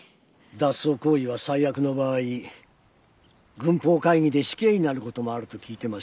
脱走行為は最悪の場合軍法会議で死刑になる事もあると聞いてました。